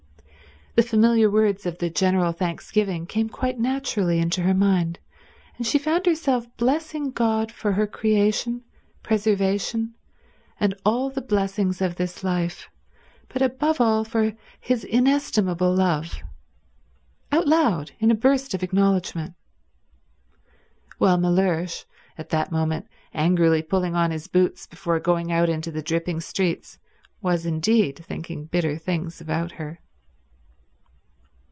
The familiar words of the General Thanksgiving came quite naturally into her mind, and she found herself blessing God for her creation, preservation, and all the blessings of this life, but above all for His inestimable Love; out loud; in a burst of acknowledgment. While Mellersh, at that moment angrily pulling on his boots before going out into the dripping streets, was indeed thinking bitter things about her.